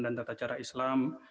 dan tata cara islam